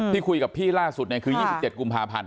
ที่คุยกับพี่ล่าสุดคือ๒๗กุมภาพันธ